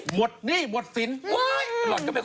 หมดหนี้หมดศิลป์